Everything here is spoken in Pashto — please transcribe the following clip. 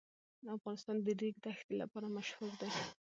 افغانستان د د ریګ دښتې لپاره مشهور دی.